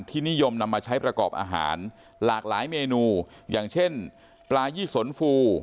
นิยมนำมาใช้ประกอบอาหารหลากหลายเมนูอย่างเช่นปลายี่สนฟู